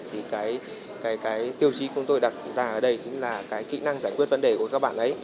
thì cái tiêu chí chúng tôi đặt chúng ta ở đây chính là cái kỹ năng giải quyết vấn đề của các bạn ấy